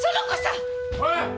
おい！